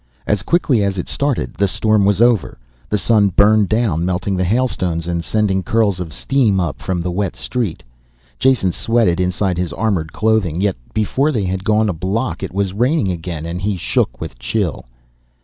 As quickly as it started the storm was over. The sun burned down, melting the hailstones and sending curls of steam up from the wet street. Jason sweated inside his armored clothing. Yet before they had gone a block it was raining again and he shook with chill.